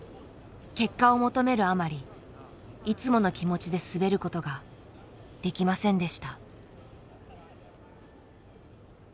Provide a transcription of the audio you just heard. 結果を求めるあまりいつもの気持ちで滑ることができませんでした。